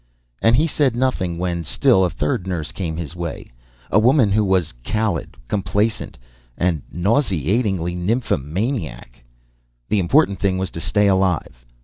And he said nothing when still a third nurse came his way; a woman who was callid, complaisant, and nauseatingly nymphomaniac. The important thing was to stay alive.